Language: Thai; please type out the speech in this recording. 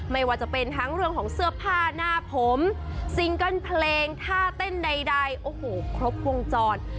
ไม่ว่าจะเป็นทั้งเรื่องของเสื้อผ้าหน้าผมซิงเกิ้ลเพลงท่าเต้นใดโอ้โหครบวงจร